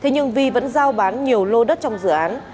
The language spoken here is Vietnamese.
nhưng vi vẫn giao bán nhiều lô đất trong dự án